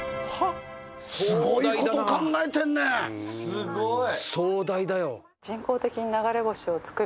すごい。